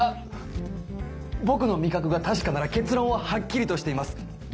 僕の味覚が確かなら結論ははっきりとしています